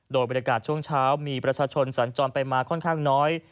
โดยบรรยากาศช่วงเช้ามีประชาชนสัญจรไปมาค่อนข้างน้อย